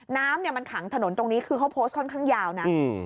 น้ำมันขังถนนตรงนี้คือเขาโพสต์ค่อนข้างยาวนะ